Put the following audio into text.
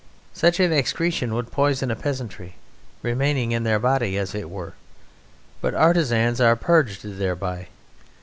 Such an excretion would poison a peasantry, remaining in their body as it were, but artisans are purged thereby.